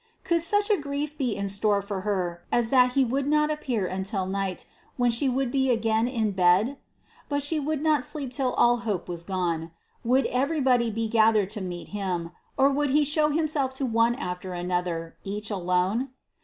Could such a grief be in store for her as that he would not appear until night, when she would be again in bed? But she would not sleep till all hope was gone. Would everybody be gathered to meet him, or would he show himself to one after another, each alone?